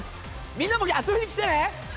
みんなも遊びに来てね！